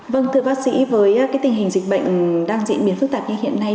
vâng thưa bác sĩ với tình hình dịch bệnh đang diễn biến phức tạp như hiện nay